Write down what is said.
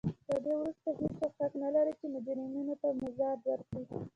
له دې وروسته هېڅوک حق نه لري چې مجرمینو ته مزد ورکړي.